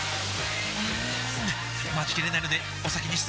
うーん待ちきれないのでお先に失礼！